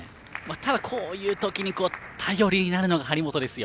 ただ、こういう時に頼りになるのが張本ですよ。